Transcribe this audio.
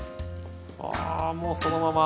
あもうそのまま。